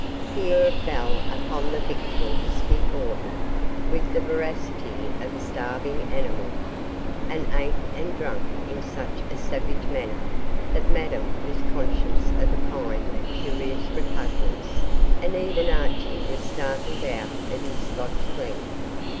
Pierre fell upon the victuals before him with the voracity of a starving animal, and ate and drank in such a savage manner that Madame was conscious of a kind of curious repugnance, and even Archie was startled out of his Scotch phlegm.